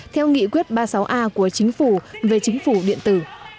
theo nghị quyết ba mươi sáu a của chính phủ về chính phủ điện tử